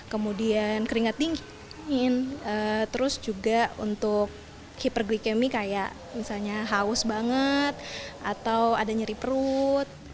kemudian keringat dingin terus juga untuk hiperglikemi kayak misalnya haus banget atau ada nyeri perut